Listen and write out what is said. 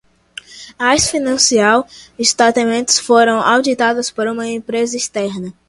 As financial statements foram auditadas por uma empresa externa.